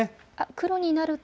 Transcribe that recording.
黒になると。